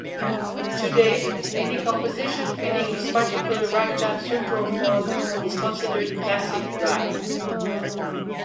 Today, any composition fitting this particular ragtime structural form is considered classic rag.